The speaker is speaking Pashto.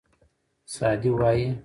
سعدي وایي.